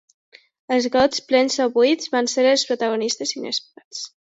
Els gots, plens o buits, van ser els protagonistes inesperats.